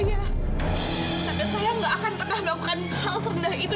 karena saya gak akan pernah melakukan hal serendah itu